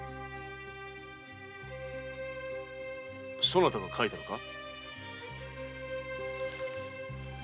そなたが描いたのか？